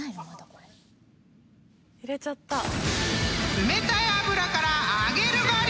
［冷たい油から揚げる我流！］